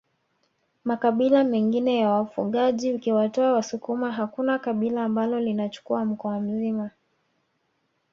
Makabila mengine ya wafugaji ukiwatoa wasukuma hakuna kabila ambalo linachukua mkoa mzima